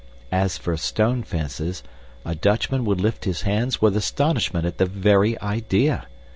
As for stone fences, a Dutchman would lift his hands with astonishment at the very idea.